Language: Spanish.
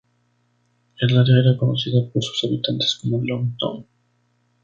El área era conocida por sus habitantes como Log Town.